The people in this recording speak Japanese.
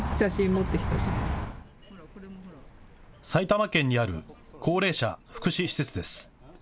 埼玉県にある高齢者福祉施設です。